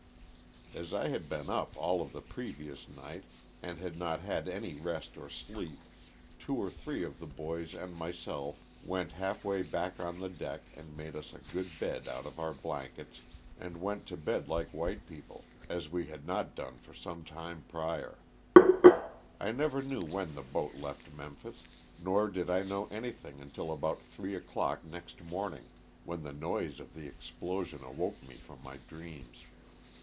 As I had been up all of the previous night and had not had any rest or sleep, two or three of the boys and myself went half way back on the deck and made us a good bed out of our blankets and went to bed like white people, as we had not done for some time 108 LOSS OF THE SULTANA. prior. I never knew when the hoat left Memphis, nor did I know anything until about three o'clock next morning, when the noise of the explosion awoke me from my dreams.